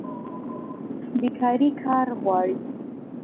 بیکاري کار غواړي